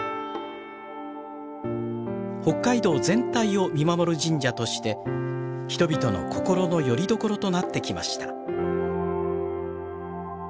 北海道全体を見守る神社として人々の心のよりどころとなってきました。